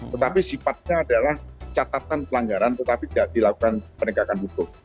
tetapi sifatnya adalah catatan pelanggaran tetapi tidak dilakukan penegakan hukum